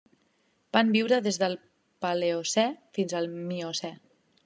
Van viure des del Paleocè fins al Miocè.